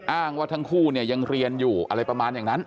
อ้างว่าทั้งคู่เนี่ยยังเรียนอยู่อะไรประมาณอย่างนั้น